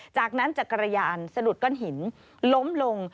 จากนั้นจักรยานสะดุดก้อนหินล้มลง